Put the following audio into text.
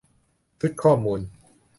ชุดข้อมูล